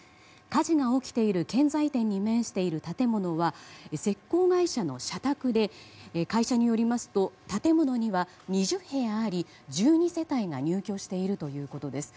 火事が起きている建材店に面している建物は石こう会社の社宅で会社によりますと建物には２０部屋あり１２世帯が入居しているということです。